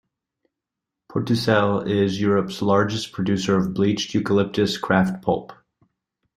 Portucel is Europe's largest producer of bleached eucalyptus kraft pulp.